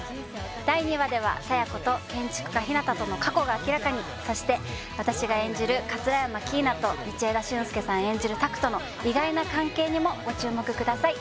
第２話では佐弥子と建築家・日向との過去が明らかにそして私が演じる桂山キイナと道枝駿佑さん演じる拓との意外な関係にもご注目ください